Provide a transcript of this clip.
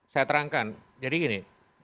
saya terangkan jadi gini